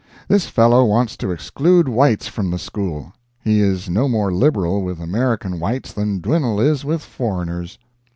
This fellow wants to exclude whites from the school! He is no more liberal with American whites than Dwinelle is with foreigners.